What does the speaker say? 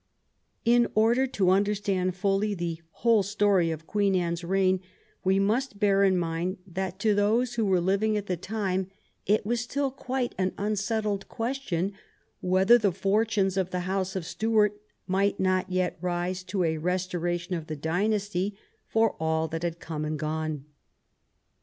In order to understand fully the whole story of Queen Anne's reign, we must bear in mind that to those who were living at the time it was still quite an unsettled question whether the fortunes of the house of Stuart might not yet rise to a restoration of the dynasty, for all that had come and gone.